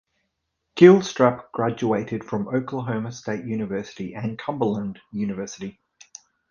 Gilstrap graduated from Oklahoma State University and Cumberland University.